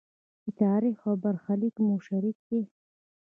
چې تاریخ او برخلیک مو شریک دی.